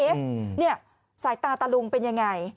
เนี่ยสายตาตะลุงเป็นยังไง